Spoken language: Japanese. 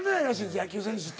野球選手って。